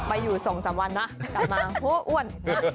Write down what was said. ไปอยู่ส่งสามวันนะกลับมาโห้อ่วน